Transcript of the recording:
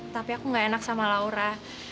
tapi aku nggak enak sama laura